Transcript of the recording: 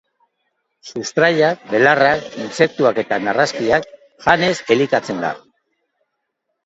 Sustraiak, belarrak, intsektuak eta narrastiak janez elikatzen da.